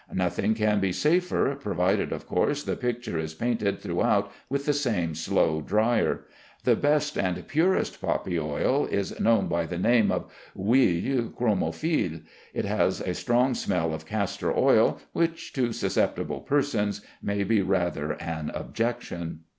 Nothing can be safer, provided of course the picture is painted throughout with the same slow drier. The best and purest poppy oil is known by the name of huile chromophile. It has a strong smell of castor oil, which to susceptible persons may be rather an objection.